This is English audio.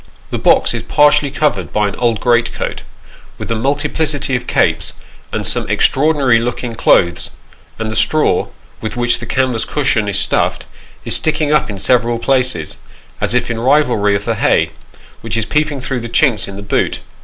The box is partially covered by an old great coat, with a multiplicity of capes, and some extraordinary looking clothes ; and the straw, with which the canvas cushion is stuffed, is sticking up in several places, as if in rivalry of the hay, which is peeping through the chinks in the boot.